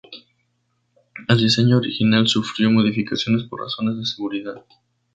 El diseño original sufrió modificaciones por razones de seguridad.